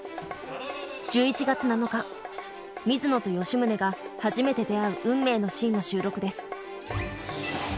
１１月７日水野と吉宗が初めて出会う運命のシーンの収録です。